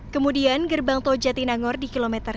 kemudian gerbang tol jatinangor di kilometer satu ratus enam puluh satu